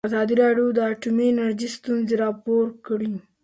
ازادي راډیو د اټومي انرژي ستونزې راپور کړي.